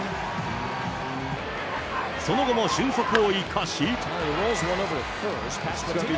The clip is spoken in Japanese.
その後も俊足を生かし。